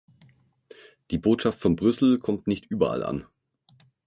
Die Botschaft von Brüssel kommt nicht überall an.